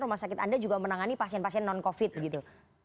rumah sakit anda juga menangani pasien pasien non covid begitu